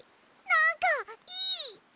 なんかいい！